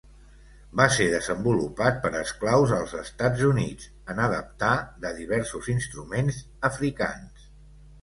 Va ser desenvolupat per esclaus als Estats Units, en adaptar de diversos instruments africans.